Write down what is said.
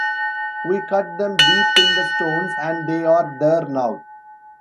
We cut them deep in the stones, and they are there now.